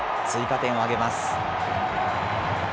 追加点を挙げます。